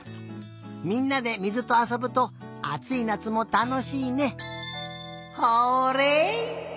みんなで水とあそぶとあついなつもたのしいね。